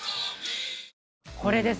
これです。